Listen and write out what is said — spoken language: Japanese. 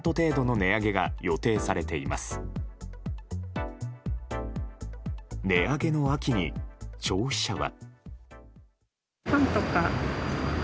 値上げの秋に消費者は。